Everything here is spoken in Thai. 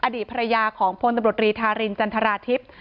อดีตภรรยาของพลตำรวจรีธารินจันทราทิพย์